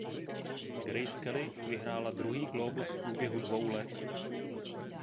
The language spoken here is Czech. Grace Kelly vyhrála druhý Glóbus v průběhu dvou let.